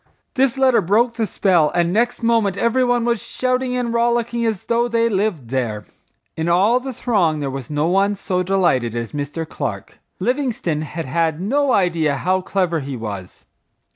This letter broke the spell and next moment every one was shouting and rollicking as though they lived there. In all the throng there was no one so delighted as Mr. Clark. Livingstone had had no idea how clever he was.